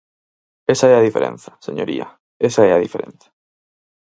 Esa é a diferenza, señoría, esa é a diferenza.